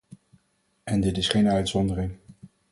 En dit is geen uitzondering.